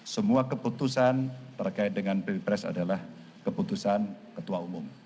semua keputusan terkait dengan pilpres adalah keputusan ketua umum